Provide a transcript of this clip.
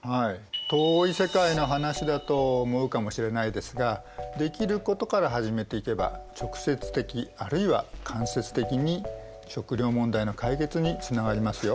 遠い世界の話だと思うかもしれないですができることから始めていけば直接的あるいは間接的に食料問題の解決につながりますよ。